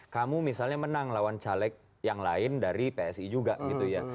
kamu misalnya menang lawan caleg yang lain dari psi juga gitu ya